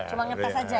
cuman ngetes aja ya